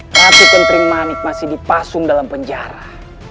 ratu kenteri manik masih dipasung dalam penjara